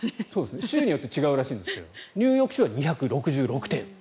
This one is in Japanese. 州によって違うらしいんですがニューヨーク州は２６６点。